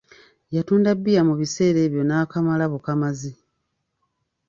Yatunda bbiya mu biseera ebyo n'akamala bukamazi.